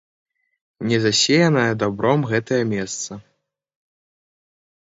Не засеянае дабром гэтае месца.